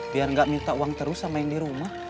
biar nggak minta uang terus sama yang di rumah